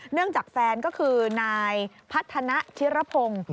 เนื่องจากแฟนก็คือนายพัฒนะชิรพงศ์